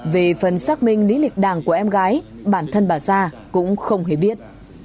vì phần xác minh lý lịch đảng của em gái bản thân bà sa cũng không hề biết